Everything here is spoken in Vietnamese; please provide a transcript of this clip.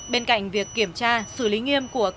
bên cạnh việc kiểm tra xử lý nghiêm của các hành khách